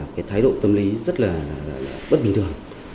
cái thái độ tâm lý rất là bất bình thường